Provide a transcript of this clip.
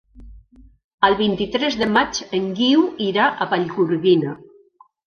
El vint-i-tres de maig en Guiu irà a Vallgorguina.